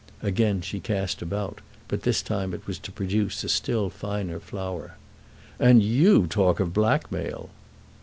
Again she cast about, but this time it was to produce a still finer flower. "And you talk of blackmail!"